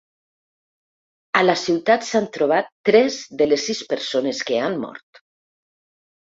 A la ciutat s’han trobat tres de les sis persones que han mort.